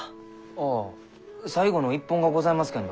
ああ最後の一本がございますけんど。